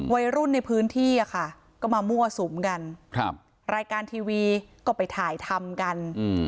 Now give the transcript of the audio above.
วัยรุ่นในพื้นที่อะค่ะก็มามั่วสุมกันรายการทีวีก็ไปถ่ายทำกัน